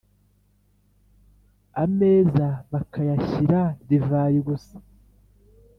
ameza bakayashyira divayi gusa.